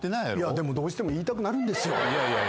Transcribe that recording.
でもどうしても言いたくなるんですよ。